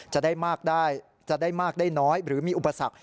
จะได้มากได้น้อยหรือมีอุปสรรค